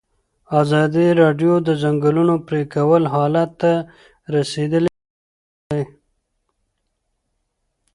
ازادي راډیو د د ځنګلونو پرېکول حالت ته رسېدلي پام کړی.